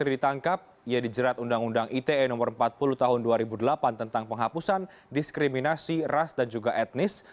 ditangkap ia dijerat undang undang ite no empat puluh tahun dua ribu delapan tentang penghapusan diskriminasi ras dan juga etnis